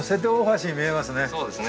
そうですね。